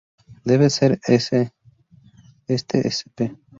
Debe ser a este Sp.